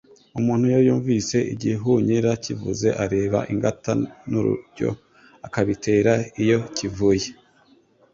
Umuntu iyo yumvise igihunyira kivuze, areba ingata, n’urujyo akabitera iyo kivuye,